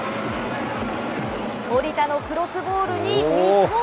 守田のクロスボールに三笘。